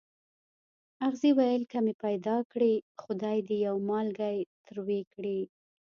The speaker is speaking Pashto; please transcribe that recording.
اغزي ویل که مې پیدا کړې خدای دې یو مالګی تروې کړي.